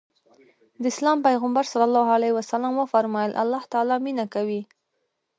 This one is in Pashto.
د اسلام پيغمبر ص وفرمايل الله تعالی مينه کوي.